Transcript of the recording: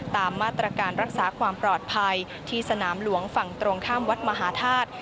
ตามมาตรการรักษาความปลอดภัยที่สนามหลวงฝั่งตรงข้ามวัดมหาธาตุ